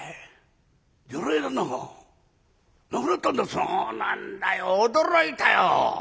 「そうなんだよ驚いたよ。